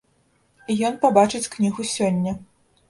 Ён пабачыць кнігу сёння.